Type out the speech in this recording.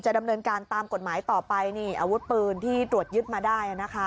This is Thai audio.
ดำเนินการตามกฎหมายต่อไปนี่อาวุธปืนที่ตรวจยึดมาได้นะคะ